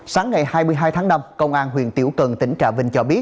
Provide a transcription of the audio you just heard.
sáng ngày hai mươi hai tháng năm công an huyện tiểu cần tỉnh trà vinh cho biết